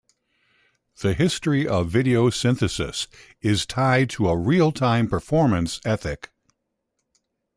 The history of video synthesis is tied to a "real time performance" ethic.